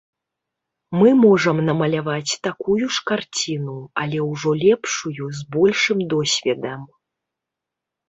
Мы можам намаляваць такую ж карціну, але ўжо лепшую, з большым досведам.